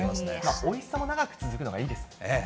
おいしさが長く続くのがいいですね。